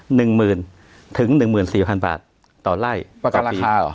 หนึ่งหมื่นถึงหนึ่งหมื่นสี่พันบาทต่อไล่กับราคาเหรอ